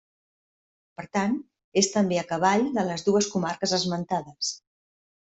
Per tant, és també a cavall de les dues comarques esmentades.